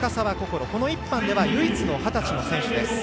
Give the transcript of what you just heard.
この１班では唯一の二十歳の選手です。